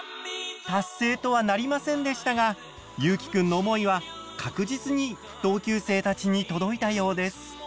達成とはなりませんでしたがゆうきくんの思いは確実に同級生たちに届いたようです。